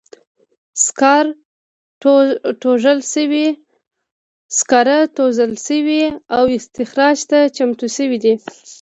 سکاره توږل شوي او استخراج ته چمتو شوي دي.